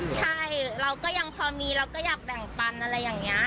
ใช่เราก็ยังพอมีเราก็อยากแบ่งปันอะไรอย่างนี้